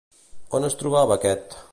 On es trobava aquest?